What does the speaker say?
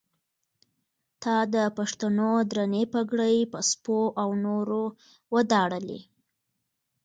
تا د پښتنو درنې پګړۍ په سپو او نورو وداړلې.